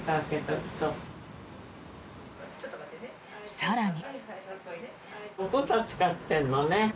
更に。